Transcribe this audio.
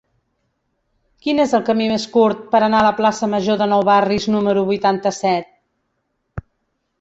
Quin és el camí més curt per anar a la plaça Major de Nou Barris número vuitanta-set?